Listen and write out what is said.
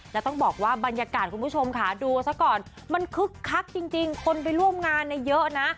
แล้วต้องบอกว่าบรรยากาศคุณผู้ชมค่ะดูซะก่อนมันคึกคักจริงคนไปร่วมงานเนี่ยเยอะนะ